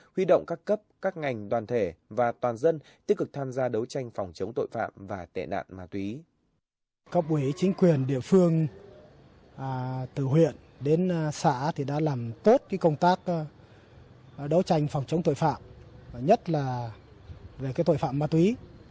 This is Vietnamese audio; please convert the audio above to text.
huy động các cấp các ngành đoàn thể và toàn dân tích cực tham gia đấu tranh phòng chống tội phạm và tệ nạn ma túy